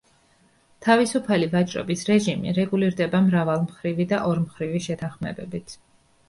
თავისუფალი ვაჭრობის რეჟიმი რეგულირდება მრავალმხრივი და ორმხრივი შეთანხმებებით.